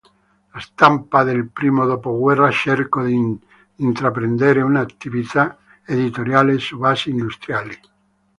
La stampa del primo dopoguerra cercò di intraprendere un'attività editoriale su base industriali.